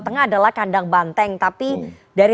tengah adalah kandang banteng tapi dari